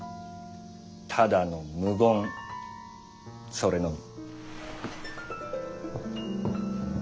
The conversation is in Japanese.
ただの無言それのみ。